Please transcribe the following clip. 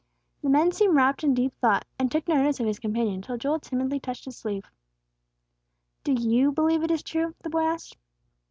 The man seemed wrapped in deep thought, and took no notice of his companion, till Joel timidly touched his sleeve. "Do you believe it is true?" the boy asked.